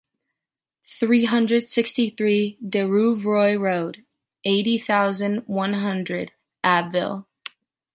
three hundred sixty-three de Rouvroy road, eighty thousand one hundred Abbeville